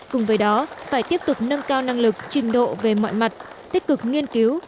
cùng với đó phải tiếp tục nâng cao năng lực trình độ về mọi mặt tích cực nghiên cứu